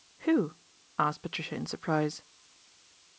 1 Who ?" asked Patricia in surprise.